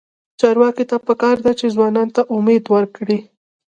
چارواکو ته پکار ده چې، ځوانانو ته امید ورکړي.